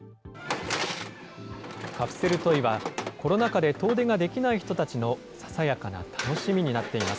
カプセルトイはコロナ禍で遠出ができない人たちのささやかな楽しみになっています。